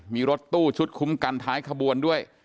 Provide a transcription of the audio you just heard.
มีรถตู้ชุดคุ้มกันท้ายขบวนด้วย